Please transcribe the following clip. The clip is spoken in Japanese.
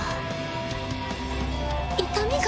痛みが。